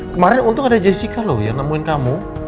kemarin untung ada jessica loh yang nemuin kamu